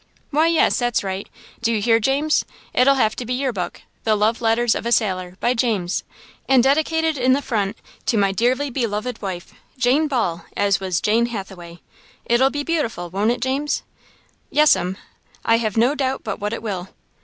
"Why, yes, that's right. Do you hear James? It'll have to be your book, 'The Love Letters of a Sailor,' by James, and dedicated in the front 'to my dearly beloved wife, Jane Ball, as was Jane Hathaway.' It'll be beautiful, won't it, James?" "Yes'm, I hev no doubt but what it will."